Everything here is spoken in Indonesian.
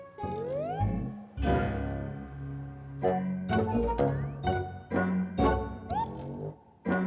tidak terlalu banyak